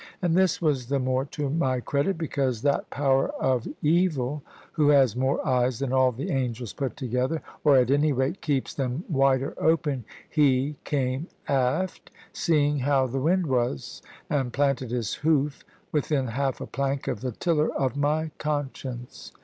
And this was the more to my credit, because that power of evil, who has more eyes than all the angels put together, or, at any rate, keeps them wider open, he came aft, seeing how the wind was, and planted his hoof within half a plank of the tiller of my conscience.